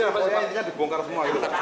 tapi intinya dibongkar semua